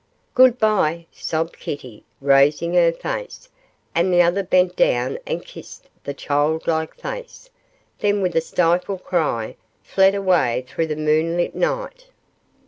'Good bye,' sobbed Kitty, raising her face, and the other bent down and kissed the child like face, then with a stifled cry, fled away through the moonlit night.